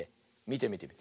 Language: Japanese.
みてみて。